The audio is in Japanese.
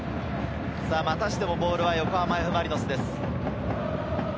またしてもボールは横浜Ｆ・マリノスです。